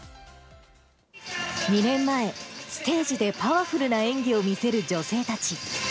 ２年前、ステージでパワフルな演技を見せる女性たち。